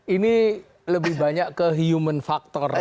ini lebih banyak ke human factor